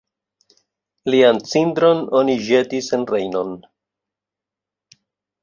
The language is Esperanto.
Lian cindron oni ĵetis en Rejnon.